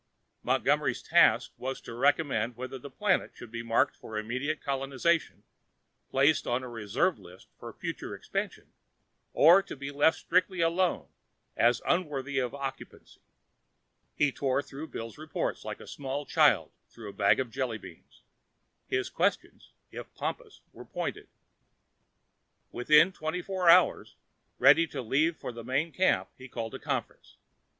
Montgomery's task was to recommend whether the planet should be marked for immediate colonization, placed on a reserve list for future expansion, or be left strictly alone as unworthy of occupancy. He tore through Bill's reports like a small child through a bag of jellybeans. His questions, if pompous, were pointed. Within twenty four hours, ready to leave for the main camp, he called a conference.